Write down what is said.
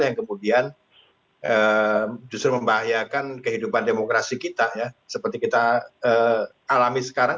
yang kemudian justru membahayakan kehidupan demokrasi kita ya seperti kita alami sekarang